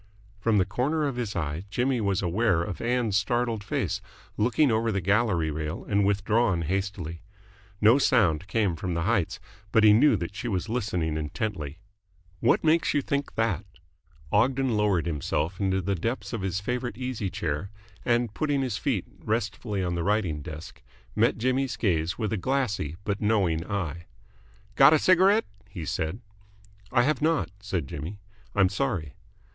From the corner of his eye Jimmy was aware of Ann's startled face, looking over the gallery rail and withdrawn hastily. No sound came from the heights, but he knew that she was listening intently. "What makes you think that?" Ogden lowered himself into the depths of his favourite easy chair, and, putting his feet restfully on the writing desk, met Jimmy's gaze with a glassy but knowing eye. "Got a cigarette?" he said. "I have not," said Jimmy. "I'm sorry."